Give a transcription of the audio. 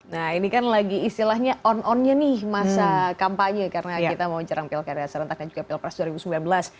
nah ini kan lagi istilahnya on onnya nih masa kampanye karena kita mau mencerang pilkada serentaknya juga pilpres dua ribu sembilan belas